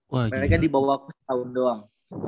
mereka dibawah setahun doang